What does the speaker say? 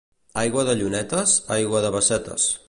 Aigua de llunetes, aigua de bassetes.